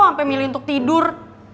sampe milih untuk tidur